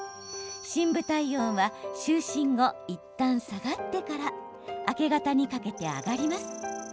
深部体温は就寝後いったん下がってから明け方にかけて上がります。